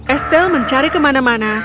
estel mencari kemana mana